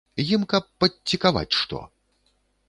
Ім каб падцікаваць што.